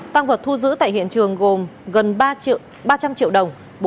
tăng vật thu giữ tại hiện trường gồm gần ba trăm linh triệu đồng